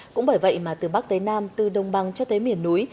cũng bởi vậy mà từ bắc tới nam từ đông băng cho tới miền núi